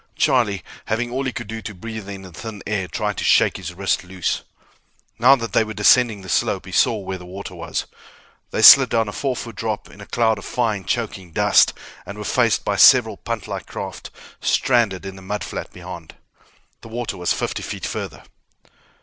Charlie, having all he could do to breathe in the thin air, tried to shake his wrist loose. Now that they were descending the slope, he saw where the water was. They slid down a four foot drop in a cloud of fine, choking dust, and were faced by several puntlike craft stranded on the mudflat beyond. The water was fifty feet further.